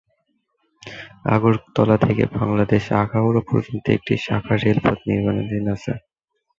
আগরতলা থেকে বাংলাদেশের আখাউড়া পর্যন্ত একটি শাখা রেলপথ নির্মাণাধীন আছে।